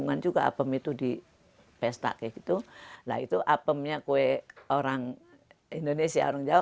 nah itu apemnya kue orang indonesia orang jawa